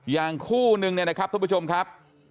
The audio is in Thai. อย่างคู่นึงทุกผู้ชมครับ